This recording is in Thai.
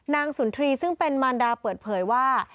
สุนทรีย์ซึ่งเป็นมารดาเปิดเผยว่า